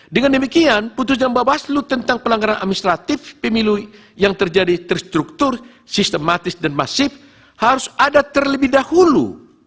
dengan demikian putusan bawaslu tentang pelanggaran administratif pemilu yang terjadi terstruktur sistematis dan masif harus ada terlebih dahulu